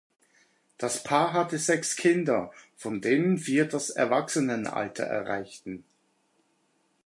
Das Paar hatte sechs Kinder, von denen vier das Erwachsenenalter erreichten.